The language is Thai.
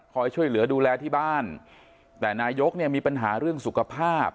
ช่วยเหลือดูแลที่บ้านแต่นายกเนี่ยมีปัญหาเรื่องสุขภาพ